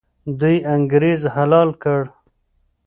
دوی انګریز حلال کړ.